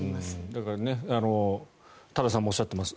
だから、多田さんもおっしゃっています。